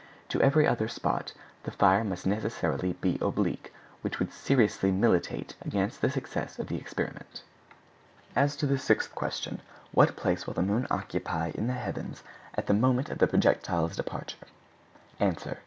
In every other spot the fire must necessarily be oblique, which would seriously militate against the success of the experiment. As to the sixth question, "What place will the moon occupy in the heavens at the moment of the projectile's departure?" _Answer.